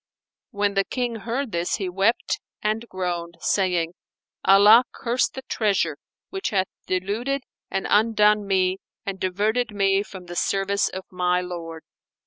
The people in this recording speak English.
When the King heard this, he wept and groaned, saying, "Allah curse the treasure which hath deluded and undone me and diverted me from the service of my Lord!